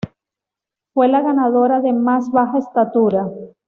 Fue la ganadora de más baja estatura.